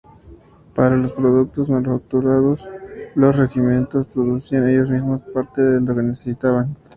Para los productos manufacturados, los regimientos producían ellos mismos parte de lo que necesitaban.